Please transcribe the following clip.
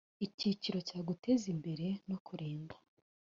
icyiciro cya guteza imbere no kurinda